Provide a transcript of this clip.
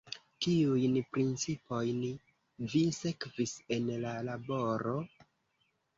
Kiujn principojn vi sekvis en la laboro?